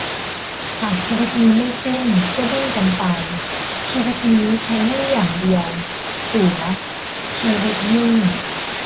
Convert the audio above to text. หากชีวิตนี้ไม่สิ้น ก็ดิ้นกันไป ชีวิตนี้ใช้หนี้อย่างเดียว เสือ - ชีวิตหนี้